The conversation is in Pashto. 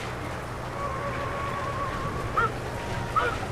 او د غم پېټی دا دی تا باندې راوښويدی _